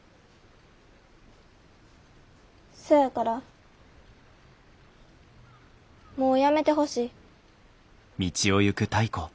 そやからもうやめてほしい。